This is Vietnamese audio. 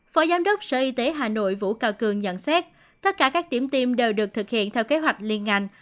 phó giám đốc sở y tế hà nội vũ cao cường nhận xét tất cả các điểm tiêm đều được thực hiện theo kế hoạch liên ngành